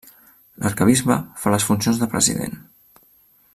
L'arquebisbe fa les funcions de president.